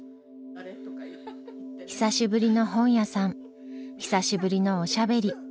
久しぶりの本屋さん久しぶりのおしゃべり。